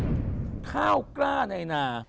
เกรนทาราชเข้ากล้าในหนา